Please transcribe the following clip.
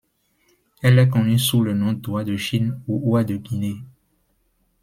Elle est connue sous le nom d'oie de Chine ou oie de Guinée.